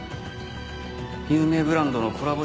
有名ブランドのコラボ